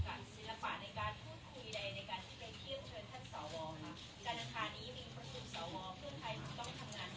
ต้องแบ่งหน้าที่ไหมคะเพื่อนใคร